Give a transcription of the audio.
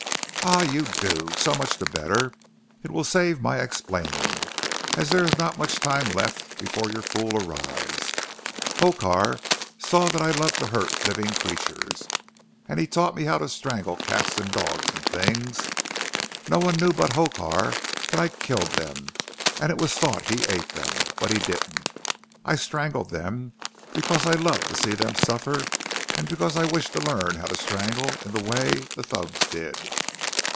"Ah, you do. So much the better. It will save my explaining, as there is not much time left before your fool arrives. Hokar saw that I loved to hurt living creatures, and he taught me how to strangle cats and dogs and things. No one knew but Hokar that I killed them, and it was thought he ate them. But he didn't. I strangled them because I loved to see them suffer, and because I wished to learn how to strangle in the way the Thugs did."